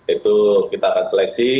itu kita akan seleksi